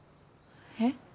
えっ？